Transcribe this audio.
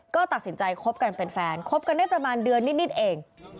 ก็ตัดสินใจคบกันเป็นแฟนคบกันได้ประมาณเดือนนิดเอง